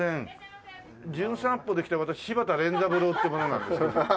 『じゅん散歩』で来た私柴田錬三郎って者なんですけど。